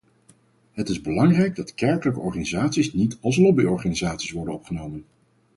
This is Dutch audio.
Het is belangrijk dat kerkelijke organisaties niet als lobbyorganisaties worden opgenomen.